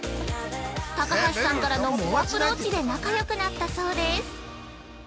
高橋さんからの猛アプローチで仲よくなったそうです。